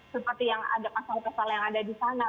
seperti yang ada pasal pasal yang ada di sana